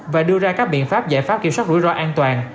và đưa ra các biện pháp giải pháp kiểm soát rủi ro an toàn